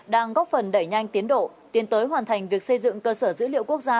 đang góp phần đẩy nhanh tiến độ tiến tới hoàn thành việc xây dựng cơ sở dữ liệu quốc gia